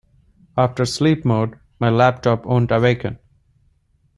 After sleep mode, my laptop won't awaken.